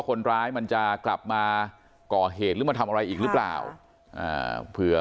คนร้ายมันจะกลับมาก่อเหตุหรือมาทำอะไรอีกหรือเปล่าอ่าเผื่อ